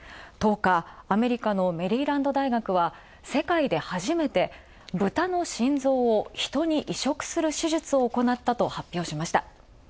１０日、アメリカのメリーランド大学は世界で初めてブタの心臓をヒトに移植する手術を行ったと発表しました。